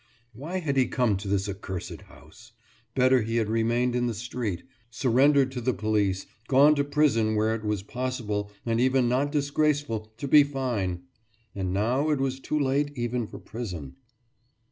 Why had he come to this accursed house! Better had he remained on the street, surrendered to the police, gone to prison where it was possible and even not disgraceful to be fine. And now it was too late even for prison.